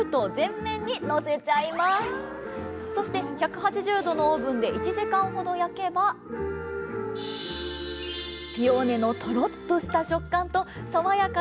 そして１８０℃のオーブンで１時間ほど焼けばピオーネのトロッとした食感とさわやかな酸味と甘みを味わう